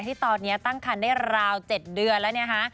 ที่ตอนนี้ตั้งคันได้ราว๗เดือนแล้วนะคะ